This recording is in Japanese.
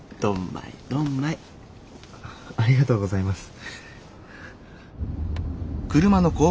ありがとうございます。